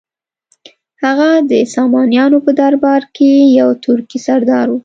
هغه د سامانیانو په درباره کې یو ترکي سردار و.